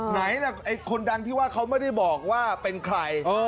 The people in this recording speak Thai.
ไหนล่ะไอ้คนดังที่ว่าเขาไม่ได้บอกว่าเป็นใคร